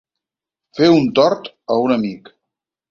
Fer un tort a un amic.